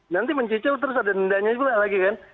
nanti mencicil terus ada dendanya juga lagi kan